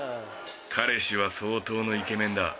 彼氏は相当のイケメンだ。